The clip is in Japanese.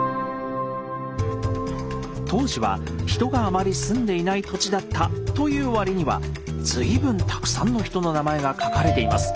当時は人があまり住んでいない土地だったという割には随分たくさんの人の名前が書かれています。